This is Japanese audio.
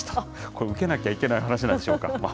これ、受けなきゃいけない話なんでしょうか。